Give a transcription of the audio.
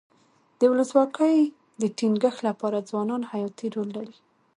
د ولسواکۍ د ټینګښت لپاره ځوانان حیاتي رول لري.